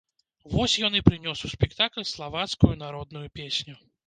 Вось ён і прынёс у спектакль славацкую народную песню.